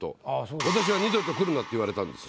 私は「二度と来るな！」って言われたんです。